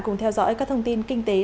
cùng theo dõi các thông tin kinh tế